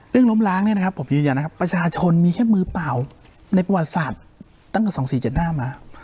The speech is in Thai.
ล้มล้างเนี่ยนะครับผมยืนยันนะครับประชาชนมีแค่มือเปล่าในประวัติศาสตร์ตั้งแต่๒๔๗๕มา